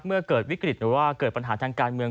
เกิดวิกฤตหรือว่าเกิดปัญหาทางการเมือง